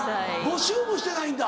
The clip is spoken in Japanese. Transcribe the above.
募集もしてないんだ。